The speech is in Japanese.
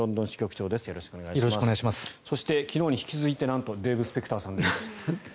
そして昨日の引き続いてなんとデーブ・スペクターさんです。